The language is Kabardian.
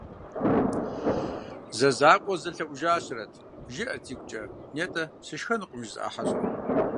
«Зэзакъуэ къызэлъэӏужащэрэт», жиӏэрт игукӏэ, нетӏэ «сышхэнукъым» жызыӏа хьэщӏэм.